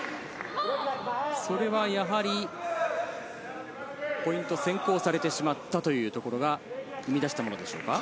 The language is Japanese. それはポイントを先行されてしまったというところが、生み出したものでしょうか。